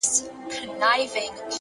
لوړ همت محدودیتونه کوچني کوي.!